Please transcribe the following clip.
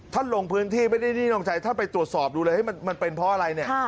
ท่านลงพื้นที่ไม่ได้ในดินทรงชัยท่านไปตรวจสอบดูเหลือให้มันเป็นเพราะอะไรเนี่ย